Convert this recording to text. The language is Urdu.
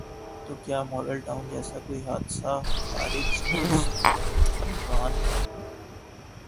تو کیا ماڈل ٹاؤن جیسا کوئی حادثہ خارج از امکان ہے؟